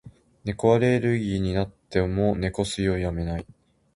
猫アレルギーになっても、猫吸いをやめない。